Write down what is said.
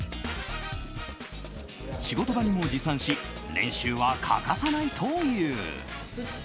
仕事場にも持参し練習は欠かさないという。